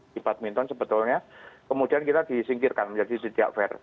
di hamilton sebetulnya kemudian kita disingkirkan menjadi dejavert